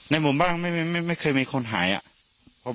ในห้องการณ์รวมสรรค์ที่การณ์พยาบาล